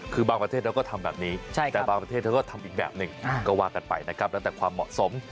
คือบางประเทศเราก็ทำแบบนี้แต่บางประเทศเขาก็ทำอีกแบบหนึ่งก็ว่ากันไปนะครับแล้วแต่ความเหมาะสม